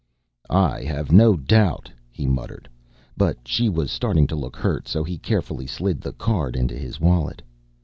"I have no doubt," he muttered. But she was starting to look hurt so he carefully slid the card into his wallet.